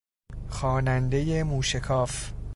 خوانندهی موشکاف